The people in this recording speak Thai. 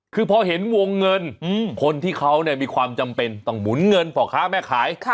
คือพอเห็นวงเงินคนที่เขามีความจำเป็นต้องหมุนเงินพ่อค้าแม่ขาย